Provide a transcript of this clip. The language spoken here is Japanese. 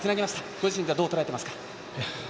ご自身ではどうとらえていますか。